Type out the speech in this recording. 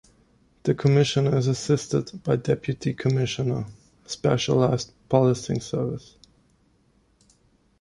The Commissioner is assisted by Deputy Commissioner, Specialized Policing Services.